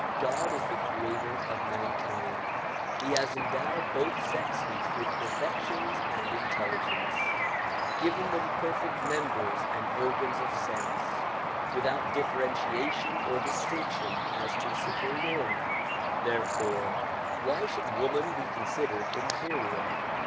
God is the creator of mankind. He has endowed both sexes with perfections and in telligence, given them physical members and organs of sense, with out differentiation or distinction as to superiority; therefore why should woman be considered inferior